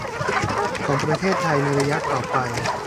ของประเทศไทยในระยะต่อไป